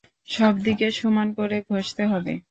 সবদিকে সমান করে ঘষতে হবে।